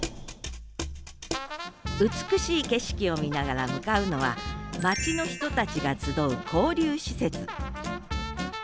美しい景色を見ながら向かうのは町の人たちが集う交流施設。